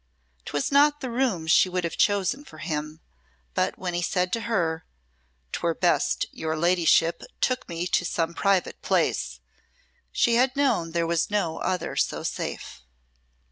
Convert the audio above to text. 'Twas not the room she would have chosen for him; but when he said to her, "'Twere best your ladyship took me to some private place," she had known there was no other so safe.